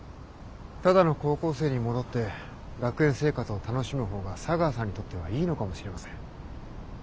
ただの高校生に戻って学園生活を楽しむ方が茶川さんにとってはいいのかもしれません。